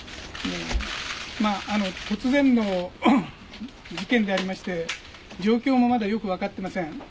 突然の事件でありまして状況もまだよく分かってません。